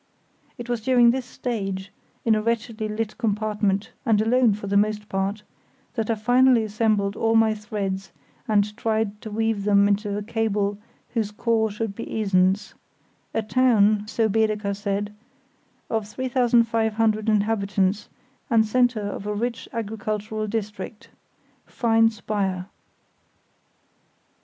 It was during this stage, in a wretchedly lit compartment, and alone for the most part, that I finally assembled all my threads and tried to weave them into a cable whose core should be Esens; "a town", so Baedeker said, "of 3,500 inhabitants, the centre of a rich agricultural district. Fine spire."